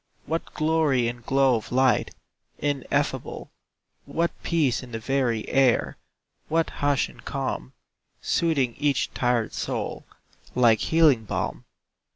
What glory and glow of light Ineffable; What peace in the very air, What hush and calm, Soothing each tired soul Like healing balm!